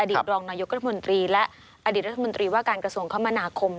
รองนายกรัฐมนตรีและอดีตรัฐมนตรีว่าการกระทรวงคมนาคม